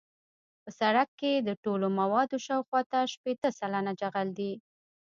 په سرک کې د ټولو موادو شاوخوا شپیته سلنه جغل دی